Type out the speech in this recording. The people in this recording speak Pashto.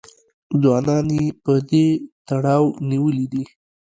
ځوانان یې په دې تړاو نیولي دي